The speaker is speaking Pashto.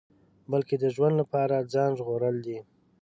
بلکې د ژوند لپاره ځان ژغورل دي.